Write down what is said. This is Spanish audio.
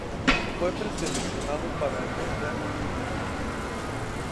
Fue preseleccionado para el Mundial de Chile.